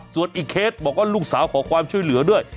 ส่วนอีกเคสบอกว่าลูกสาวขอความช่วยเหลือด้วย